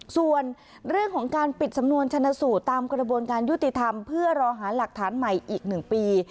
ส่วนเรื่องของการปิดสำนวนชนะสูตรตามกระบวนการยุติธรรมเพื่อรอหาหลักฐานใหม่อีก๑ปี